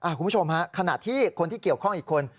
คุณผู้ชมฮะขณะที่คนที่เกี่ยวข้องอีกคน